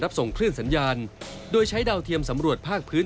ส่งคลื่นสัญญาณโดยใช้ดาวเทียมสำรวจภาคพื้น